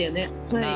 はい。